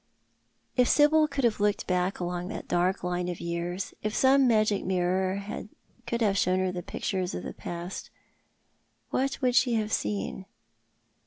294 Thoii art the Man. If Sibyl could, have looked back along that dark line of years — if some magic mirror could have shown her pictures of the past, what would she have seeu